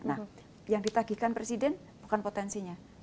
nah yang ditagihkan presiden bukan potensinya